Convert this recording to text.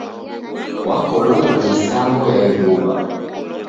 Wakolomwa ni sambo ya ighuwa.